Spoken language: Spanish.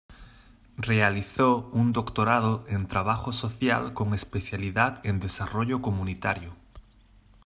Realizó un Doctorado en Trabajo Social con especialidad en Desarrollo Comunitario.